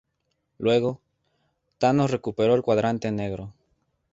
Luego, Thanos recuperó el Cuadrante Negro.